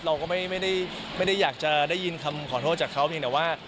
เราก็ไม่ได้อยากจะได้ยินคำขอโทษจากเขาเพียงแต่ว่า